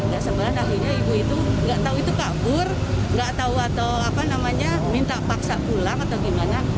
gak sabaran akhirnya ibu itu gak tahu itu kabur gak tahu atau minta paksa pulang atau gimana